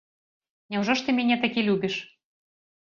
Няўжо ж ты мяне такі любіш?